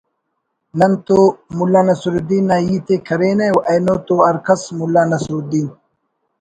نن تو ملا نصر الدین نا ہیت ءِ کرینہ اینو تو ہر کس ملا نصرالدین